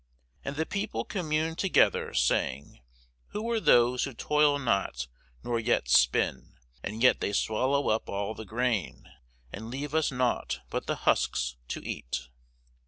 And the people communed together, saying, who are those who toil not nor yet spin, and yet they swallow up all the grain, and leave us nought but the husks to eat.